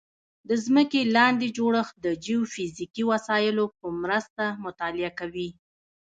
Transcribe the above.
د ځمکې لاندې جوړښت د جیوفزیکي وسایلو په مرسته مطالعه کوي